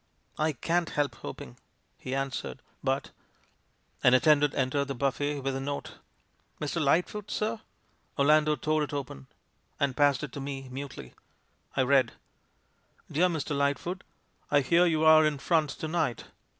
"I can't help hoping," he answered, "but " FRANKENSTEIN II 67 An attendant entered the buffet with a note: "Mr. Lightfoot, sir?" Orlando tore it open — and passed it to me mutely. I read: "Deae Mr. Lightfoot, — I hear you are in front to night.